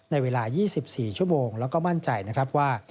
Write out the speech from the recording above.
ในเวลา๒๔ชั่วโมงและมั่นใจว่า